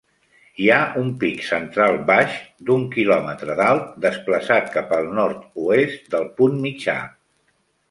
Hi ha un pic central baix, d'un kilòmetre d'alt, desplaçat cap al nord-oest del punt mitjà.